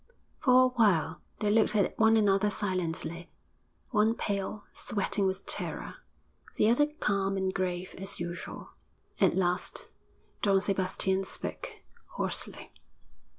For a while they looked at one another silently; one pale, sweating with terror, the other calm and grave as usual. At last Don Sebastian spoke, hoarsely.